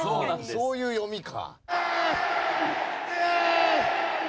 そういう読みか。